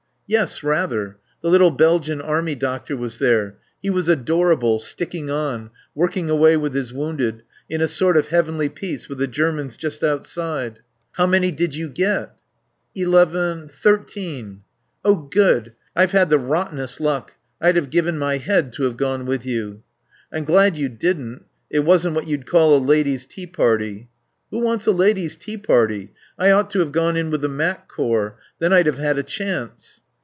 "Yes, rather.... The little Belgian Army doctor was there. He was adorable, sticking on, working away with his wounded, in a sort of heavenly peace, with the Germans just outside." "How many did you get?" "Eleven Thirteen." "Oh good.... I've the rottenest luck. I'd have given my head to have gone with you." "I'm glad you didn't. It wasn't what you'd call a lady's tea party." "Who wants a lady's tea party? I ought to have gone in with the Mac Corps. Then I'd have had a chance."